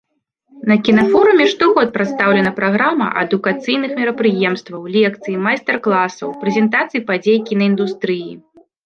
На кінафоруме штогод прадстаўлена праграма адукацыйных мерапрыемстваў, лекцый, майстар-класаў, прэзентацый падзей кінаіндустрыі.